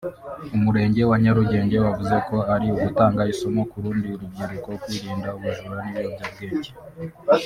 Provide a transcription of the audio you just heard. Umurenge wa Nyarugenge wavuze ko ari ugutanga isomo ku rundi rubyiruko kwirinda ubujura n’ibiyobyabwenge